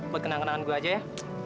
buat kenang kenangan gue aja ya